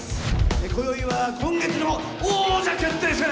今宵は今月の王者決定戦！